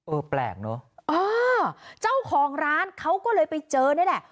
แปลกเนอะเออเจ้าของร้านเขาก็เลยไปเจอนี่แหละ